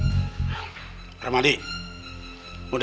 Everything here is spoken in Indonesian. sampai sampai lu reksapin dia